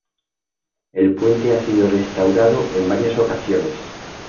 El puente ha sido restaurado en varias ocasiones.